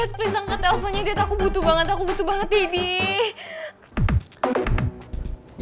dad please angkat teleponnya aku butuh banget aku butuh banget deddy